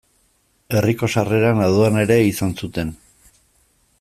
Herriko sarreran aduana ere izan zuten.